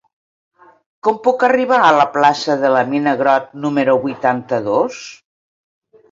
Com puc arribar a la plaça de la Mina Grott número vuitanta-dos?